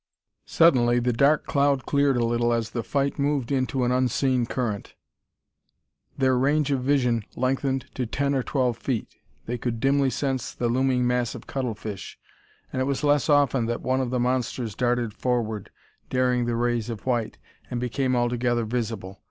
Suddenly the dark cloud cleared a little as the fight moved into an unseen current. Their range of vision lengthened to ten or twelve feet; they could dimly sense the looming mass of cuttlefish: and it was less often that one of the monsters darted forward, daring the rays of white, and became altogether visible.